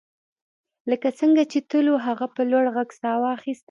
لکه څنګه چې تل وو هغه په لوړ غږ ساه واخیسته